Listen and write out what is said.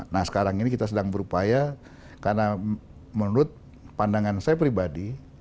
nah sekarang ini kita sedang berupaya karena menurut pandangan saya pribadi